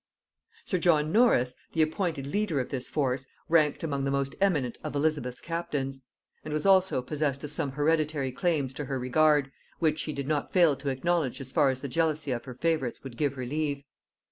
Sir John Norris, the appointed leader of this force, ranked among the most eminent of Elizabeth's captains; and was also possessed of some hereditary claims to her regard, which she did not fail to acknowledge as far as the jealousy of her favorites would give her leave.